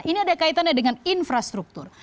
ini ada kaitannya dengan infrastruktur